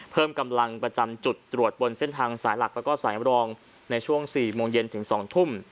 เพิ่มกำลังประจำจุดตรวจบนเส้นทางสายหลักแล้วก็สายมรองในช่วง๔โมงเย็นถึง๒ทุ่ม